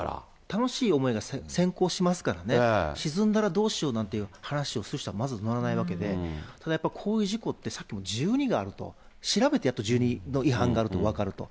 楽しい思いが先行しますからね、沈んだらどうしようなんて話をする人は、まず乗らないわけで、ただやっぱりこういう事故って、さっきも１２があると、調べて、やっと１２の違反があると分かると。